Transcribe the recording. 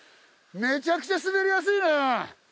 めちゃくちゃ滑りやすいね。